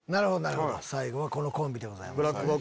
最後はこのコンビでございます。